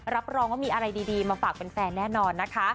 รับรองว่ามีอะไรดีมาฝากแฟนแน่นอนนะคะ